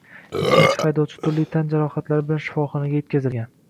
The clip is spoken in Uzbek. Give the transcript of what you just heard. Ikkinchi haydovchi turli tan jarohatlari bilan shifoxonaga yetkazilgan